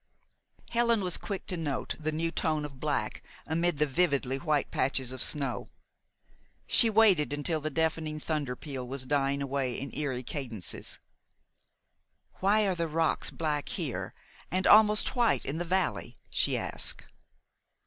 Helen was quick to note the new tone of black amid the vividly white patches of snow. She waited until the deafening thunder peal was dying away in eerie cadences. "Why are the rocks black here and almost white in the valley?" she asked.